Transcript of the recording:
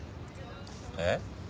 えっ？